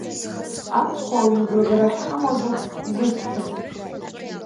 Амцхә ауаҩы игәрагара ахьҳамоу азоуп изысҳәо.